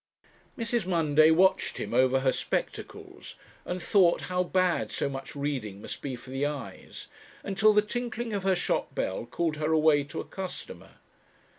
Mrs. Munday watched him over her spectacles and thought how bad so much reading must be for the eyes, until the tinkling of her shop bell called her away to a customer.